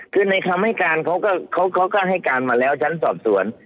คือในคำให้การเขาก็ให้การมาแล้วชั้นสอบสวน